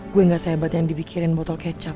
gue gak sehebat yang dipikirin botol kecap